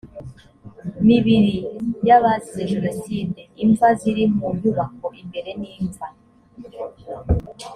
mibiri y abazize jenoside imva ziri mu nyubako imbere n imva